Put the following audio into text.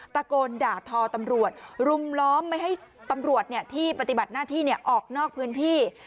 ตะโกนด่าทอตำรวจรุมล้อมไม่ให้ตำรวจที่ปฏิบัติหน้าที่ออกนอกพื้นที่